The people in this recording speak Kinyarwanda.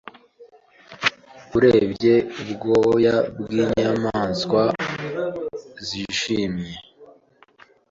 Urebye ubwoya bw'inyamaswa zishimye